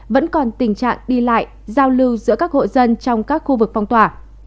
vẫn còn tình trạng đi lại giao lưu giữa các hộ dân trong các khu vực phong tỏa